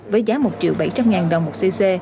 với giá một triệu bảy trăm linh ngàn đồng một cc